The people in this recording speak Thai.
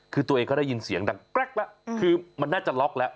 คือตัวเองก็ได้ยินเสียงดังแกรกแล้วคือมันน่าจะล็อกแล้ว